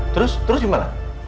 terus terus gimana